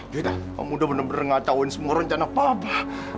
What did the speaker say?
juwita om udah bener bener ngacauin semua orang jangan papa